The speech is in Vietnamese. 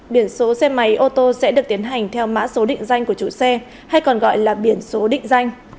biển số xe máy ô tô sẽ được tiến hành theo mã số định danh của chủ xe hay còn gọi là biển số định danh